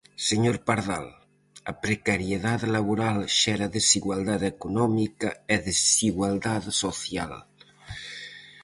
Señor Pardal, a precariedade laboral xera desigualdade económica e desigualdade social.